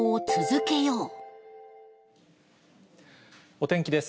お天気です。